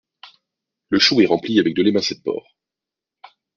Le chou est rempli avec de l'émincé de porc.